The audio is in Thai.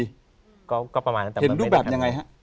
เห็นรูปแบบยังไงครับ